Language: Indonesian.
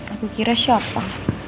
aku kira siapa